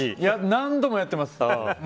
何度もやってます。